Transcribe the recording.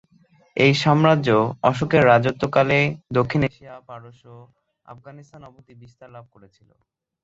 এই সাম্রাজ্য অশোকের রাজত্বকালে দক্ষিণ এশিয়া, পারস্য, আফগানিস্তান অবধি বিস্তার লাভ করেছিল।